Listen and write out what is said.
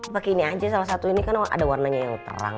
pakai ini aja salah satu ini kan ada warnanya yang terang